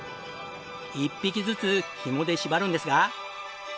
１匹ずつヒモで縛るんですが。